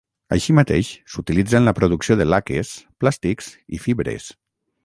Així mateix s'utilitza en la producció de laques, plàstics i fibres.